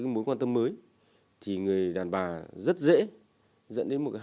đừng đánh bài chuẩn ở đây